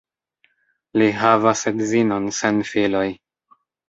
Li havas edzinon sen filoj.